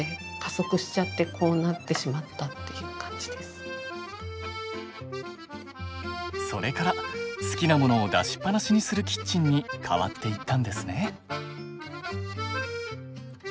それが何かそれから好きなものを出しっぱなしにするキッチンに変わっていったんですね。